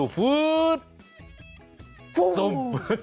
พู้ม